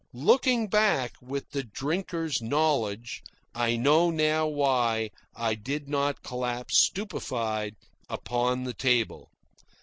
Looking back with the drinker's knowledge, I know now why I did not collapse stupefied upon the table.